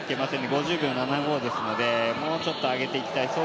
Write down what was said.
５０秒７５ですので、もうちょっと上げていきたい。